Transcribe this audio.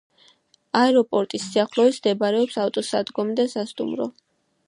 აეროპორტის სიახლოვეს მდებარეობს ავტოსადგომი და სასტუმრო.